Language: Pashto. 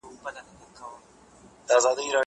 زه پرون سينه سپين کوم!